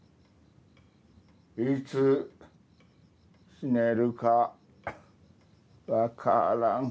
いつ死ねるかわからん。